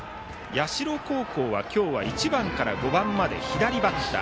社高校、今日は１番から５番まで左バッター。